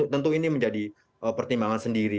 tentu ini menjadi pertimbangan sendiri